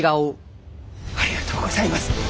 ありがとうございます。